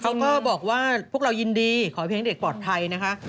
เขาก็บอกว่าพวกเรายินดีขอให้เพลงให้เด็กปลอดภัยนะคะ